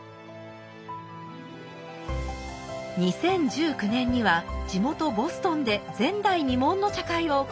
２０１９年には地元ボストンで前代未聞の茶会を行いました。